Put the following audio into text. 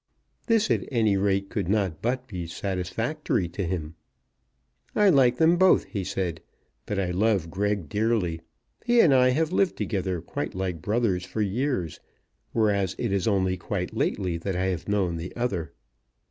This at any rate could not but be satisfactory to him. "I like them both," he said; "but I love Greg dearly. He and I have lived together like brothers for years, whereas it is only quite lately that I have known the other."